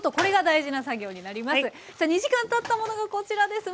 さあ２時間たったものがこちらです。